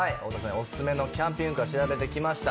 オススメのキャンピングカーを調べてきました。